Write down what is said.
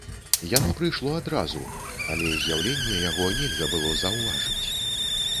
Яно прыйшло адразу, але з'яўлення яго нельга было заўважыць.